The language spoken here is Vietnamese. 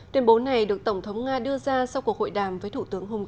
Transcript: tuyên bố này được tổng thống nga đưa ra sau cuộc hội đàm với thủ tướng hungary